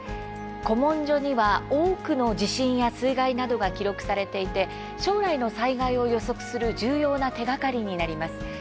古文書には、多くの地震や水害などが記録されていて将来の災害を予測する重要な手がかりになります。